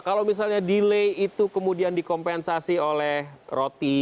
kalau misalnya delay itu kemudian dikompensasi oleh roti